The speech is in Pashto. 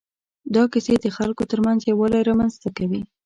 دا کیسې د خلکو تر منځ یووالی رامنځ ته کوي.